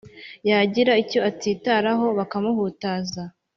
yagira icyo atsitaraho, bakamuhutaza